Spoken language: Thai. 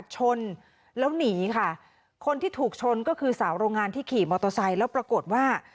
ชนแล้วหนีค่ะคนที่ถูกชนก็คือสาวโรงงานที่ขี่มอเตอร์ไซค์แล้วปรากฏว่า